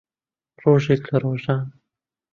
ڕۆژێک لە ڕۆژان